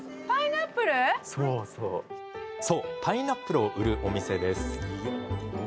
そう、パイナップルを売るお店です。